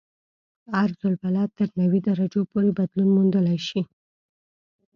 عرض البلد تر نوي درجو پورې بدلون موندلی شي